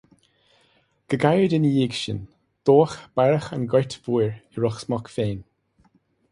Go gairid ina dhiaidh sin, dódh beairic an Ghoirt Mhóir i Ros Muc féin.